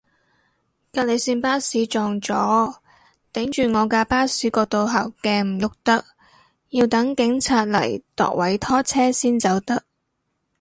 隔離線巴士撞咗，頂住我架巴士個倒後鏡唔郁得，要等警察嚟度位拖車先走得